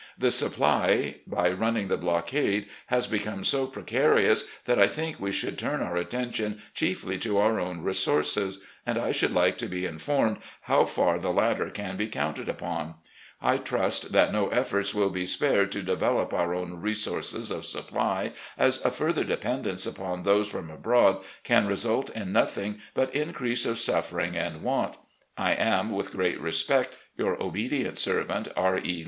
The supply, by running the blockade, has become so precarious that I think we should turn our attention chiefly to our own resources, and I should like to be THE ARMY OF NORTHERN VIRGINIA 105 infonned how far the latter can be counted upon. ... I trust that no efforts will be spared to develop our own resources of supply, as a further dependence upon those from abroad can result in nothing but increase of suffering and want. I am, with great respect, " Your obedient servant, "R. E.